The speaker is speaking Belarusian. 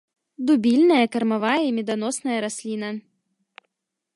Дубільная, кармавая і меданосная расліна.